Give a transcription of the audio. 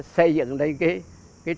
xây dựng lên cái